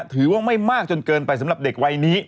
ถือว่าไม่มากจนเกินไปสำหรับเด็กวัยนี้